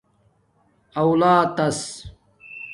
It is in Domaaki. اُلاتس